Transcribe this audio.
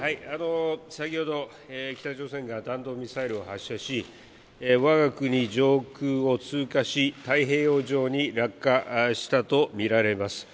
北朝鮮が弾道ミサイルを発射し、わが国上空を通過し、太平洋上に落下したと見られます。